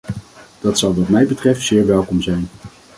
Dat zou wat mij betreft zeer welkom zijn.